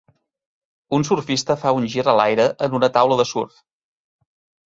Un surfista fa un gir a l'aire en una taula de surf.